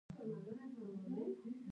هغه هغې ته په درناوي د زړه کیسه هم وکړه.